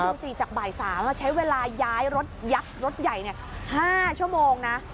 คิดดูสิจากบ่ายสามก็ใช้เวลาย้ายรถยักรถใหญ่เนี่ย๕ชั่วโมงนะ